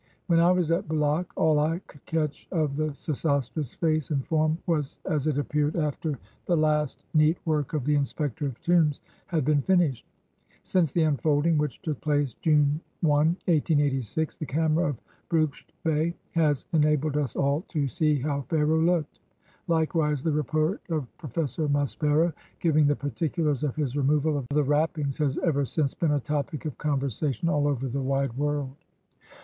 When I was at Bulaq, all I could catch of the Sesostris face and form was as it appeared after 173 EGITT the last neat work of the Inspector of Tombs had been finished. Since the unfolding, which took place June i, 1886, the camera of Brugsch Bey has enabled us all to "see how Pharaoh looked." Likewise, the report of Pro fessor Maspero, giving the particulars of his removal of the wrappings, has ever since been a topic of conversa tion all over the wide world.